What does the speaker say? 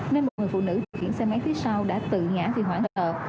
nên một người phụ nữ điều khiển xe máy phía sau đã tự ngã vì hoảng thợ